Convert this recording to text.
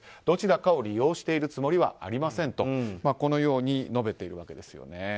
どちらかを利用しているつもりはありませんとこのように述べているわけですね。